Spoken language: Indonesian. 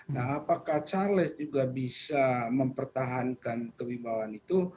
nah apakah charles juga bisa mempertahankan kewibawaan itu